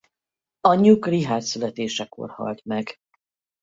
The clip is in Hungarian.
Anyjuk Richárd születésekor halt meg.